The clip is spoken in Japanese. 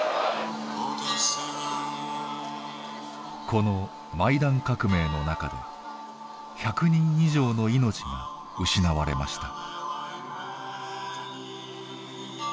このマイダン革命の中で１００人以上の命が失われました。